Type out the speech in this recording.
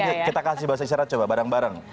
yuk kita kasih bahasa isyarat coba bareng bareng